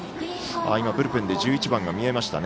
ブルペンで１１番が見えました。